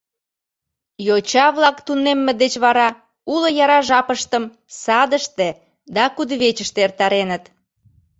Йоча-влак тунемме деч вара уло яра жапыштым садыште да кудывечыште эртареныт.